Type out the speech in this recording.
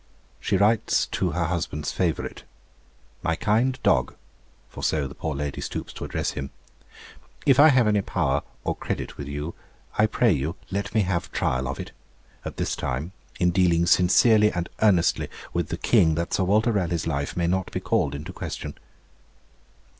She writes to her husband's favourite: 'My kind Dog,' for so the poor lady stoops to address him, 'if I have any power or credit with you, I pray you let me have a trial of it, at this time, in dealing sincerely and earnestly with the King that Sir Walter Raleigh's life may not be called in question.'